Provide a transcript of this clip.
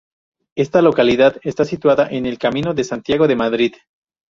Esta localidad está situada en el Camino de Santiago de Madrid.